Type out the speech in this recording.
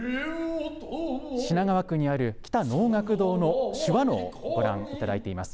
品川区にある喜多能楽堂の手話能をご覧いただいています。